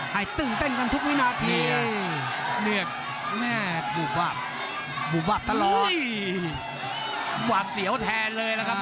ตื่นเต้นกันทุกวินาทีเนี่ยบูบวาบตลอดหวาดเสียวแทนเลยล่ะครับ